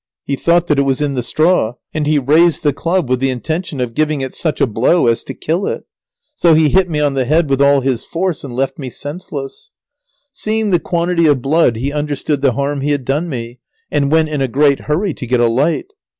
He thought that it was in the straw, and he raised the club with the intention of giving it such a blow as to kill it. So he hit me on the head with all his force and left me senseless. [Sidenote: Lazaro is found out, and half killed in the process.] Seeing the quantity of blood he understood the harm he had done me, and went in a great hurry to get a light.